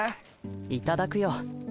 いただくよ。